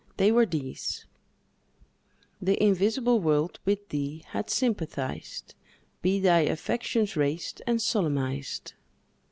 They were these:— "The invisible world with thee hath sympathized; Be thy affections raised and solemnized."